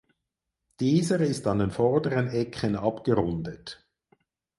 Dieser ist an den vorderen Ecken abgerundet.